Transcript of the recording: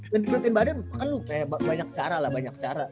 gendutin badan kan lu banyak cara lah banyak cara